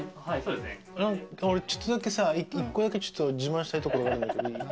俺ちょっとだけ一個だけ自慢したいところがあるんだけど。